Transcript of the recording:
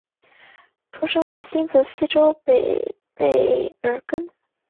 出生于新泽西州北卑尔根。